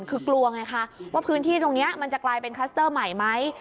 คือกลัวไงคะว่าพื้นที่ตรงนี้มันจะกลายเป็นคลัสเตอร์ใหม่ไหม